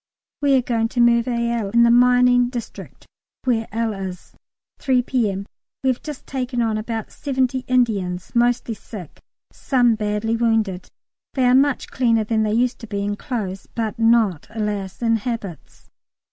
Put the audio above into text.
We are going to Merville in the mining district where L. is. 3 P.M. We have just taken on about seventy Indians, mostly sick, some badly wounded. They are much cleaner than they used to be, in clothes, but not, alas! in habits.